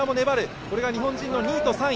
これが日本人の２位と３位。